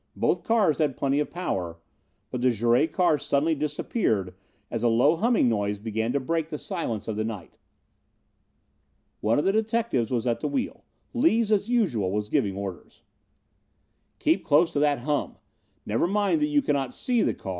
Both cars had plenty of power, but the Jouret car suddenly disappeared as a low humming noise began to break the stillness of the night. One of the detectives was at the wheel. Lees, as usual, was giving orders: "Keep close to that hum. Never mind that you cannot see the car.